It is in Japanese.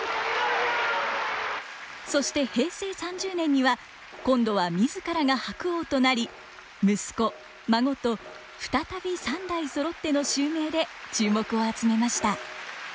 そして平成３０年には今度は自らが白鸚となり息子と孫と再び三代そろっての襲名で注目を集めました。